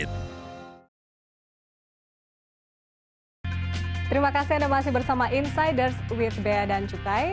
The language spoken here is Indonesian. terima kasih anda masih bersama insiders with bea dan cukai